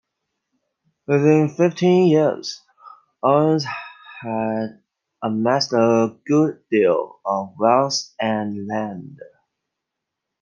Within fifteen years, Owings had amassed a good deal of wealth and land.